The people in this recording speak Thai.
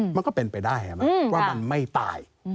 มันก็เป็นไปได้ว่ามันไม่ตาย